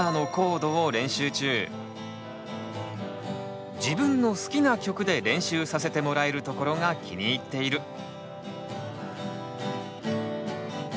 今は自分の好きな曲で練習させてもらえるところが気に入っている。